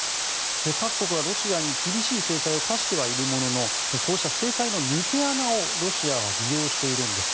各国はロシアに厳しい制裁を科してはいるもののこうした制裁の抜け穴をロシアは利用しているんです。